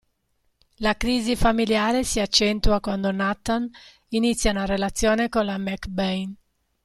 La crisi familiare si accentua quando Nathan inizia una relazione con la McBain.